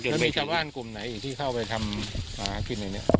แล้วมีชาวบ้านกลุ่มไหนอีกที่เข้าไปทำหากินอย่างนี้